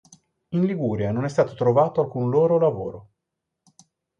In Liguria non è stato trovato alcun loro lavoro.